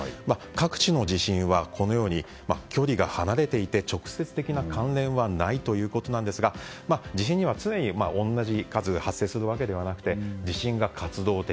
各地の地震は距離が離れていて直接的な関連はないということなんですが地震は常に同じ数が発生するわけではなくて地震が活動的